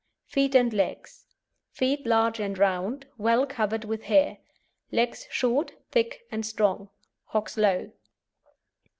FEET AND LEGS Feet large and round, well covered with hair; legs short, thick and strong; hocks low.